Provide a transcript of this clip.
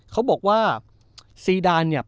เขาบอกว่าซีดานเนี่ย